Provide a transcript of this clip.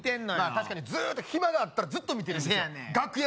確かにずっと暇があったらずっと見てんですよ